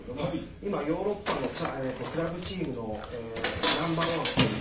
今、ヨーロッパのクラブチームのナンバー１を決める